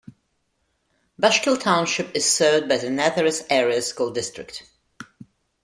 Bushkill Township is served by the Nazareth Area School District.